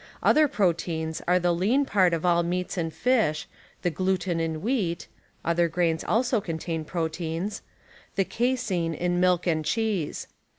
Other jiroteins are the lean part of all meats and fisli. the gluten in wheat (other grains also contain pi oteins), the casein in milk and cheese.